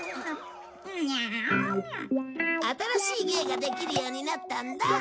新しい芸ができるようになったんだ。